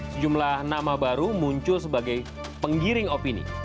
sejumlah nama baru muncul sebagai penggiring opini